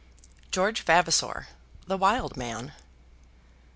George Vavasor, the Wild Man.